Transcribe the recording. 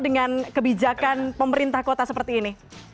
dengan kebijakan pemerintah kota seperti ini